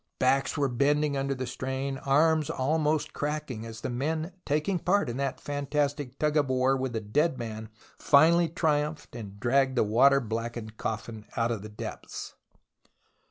Backs were bending under the strain, arms almost cracking as the men taking part in that fantastic tug of war with a dead man finally triumphed and dragged the water blackened coffin out of the depths.